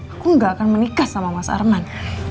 aku nggak akan menikah sama mas arman